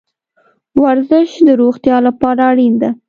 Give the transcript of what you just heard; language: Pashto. ورزش د روغتیا لپاره اړین ده